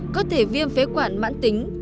có thể viêm phế quản mãn tính